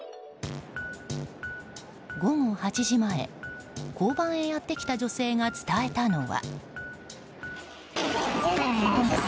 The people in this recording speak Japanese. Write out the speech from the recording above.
午後８時前、交番へやってきた女性が伝えたのは。